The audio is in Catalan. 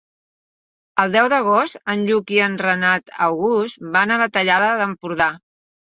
El deu d'agost en Lluc i en Renat August van a la Tallada d'Empordà.